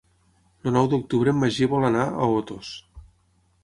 El nou d'octubre en Magí vol anar a Otos.